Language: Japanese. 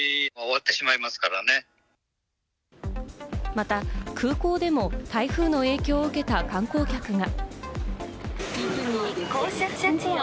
また空港でも台風の影響を受けた観光客が。